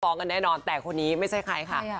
ต้องปลอดภัยกันแน่นอนแต่คนนี้ไม่ใช่ใคร